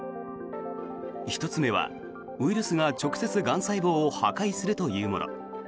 １つ目はウイルスが直接、がん細胞を破壊するというもの。